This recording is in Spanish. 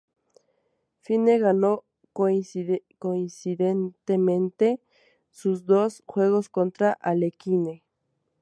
Fine ganó coincidentemente sus dos juegos contra Alekhine.